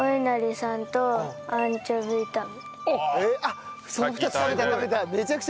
あっその２つ食べた食べた。